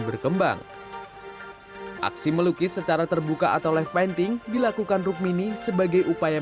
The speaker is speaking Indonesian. berkembang aksi melukis secara terbuka atau life painting dilakukan rukmini sebagai upaya